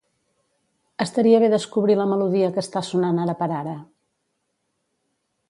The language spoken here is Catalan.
Estaria bé descobrir la melodia que està sonant ara per ara.